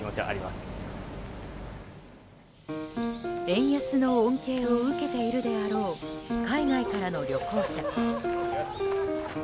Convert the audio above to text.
円安の恩恵を受けているであろう海外からの旅行者。